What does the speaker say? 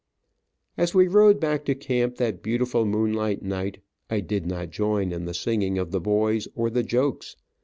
As we rode back to camp that beautiful moonlight night, I did not join in the singing of the boys, or the jokes.